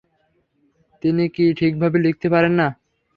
তিনি কি ঠিকভাবে লিখতে পারেন না?